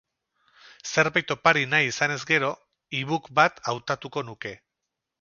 Zerbait opari nahi izanez gero, ebook bat hautatuko nuke.